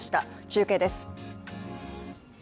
中継です。